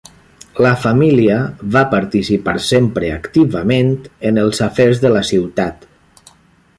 La família va participar sempre activament en els afers de la ciutat.